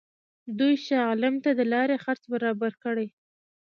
دوی شاه عالم ته د لارې خرڅ برابر کړي.